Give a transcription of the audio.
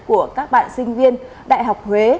của các bạn sinh viên đại học huế